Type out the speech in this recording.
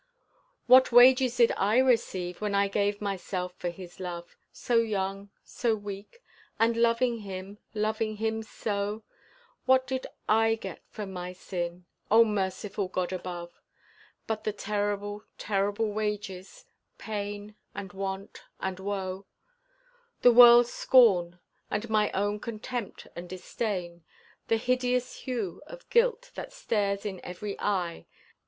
What wages did I receive when I gave myself for his love, So young, so weak, and loving him, loving him so What did I get for my sin, O merciful God above! But the terrible, terrible wages pain and want and woe; The world's scorn, and my own contempt and disdain, The hideous hue of guilt that stares in every eye.